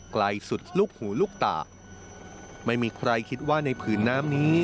ไกลสุดลูกหูลูกตาไม่มีใครคิดว่าในผืนน้ำนี้